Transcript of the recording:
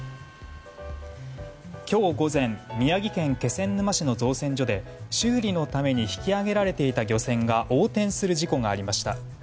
今日午前宮城県気仙沼市の造船所で修理のために引き揚げられていた漁船が横転する事故がありました。